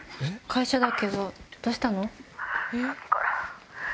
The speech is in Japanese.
会社だけどどうしたの？